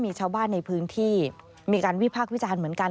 มีชาวบ้านในพื้นที่มีการวิพากษ์วิจารณ์เหมือนกัน